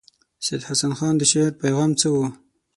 سید حسن خان د شعر پیغام څه وو.